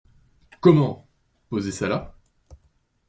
Comment ! posez ça là ?